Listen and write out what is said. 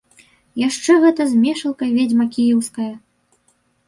Яшчэ гэта з мешалкай, ведзьма кіеўская!